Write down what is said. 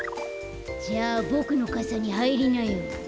じゃあボクのかさにはいりなよ。